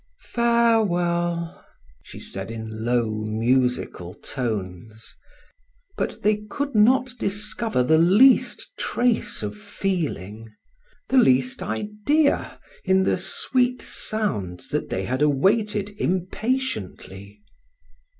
"Farewell!" she said in low, musical tones, but they could not discover the least trace of feeling, the least idea in the sweet sounds that they had awaited impatiently.